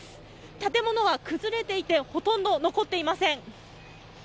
建物は崩れていてほとんど残っていません。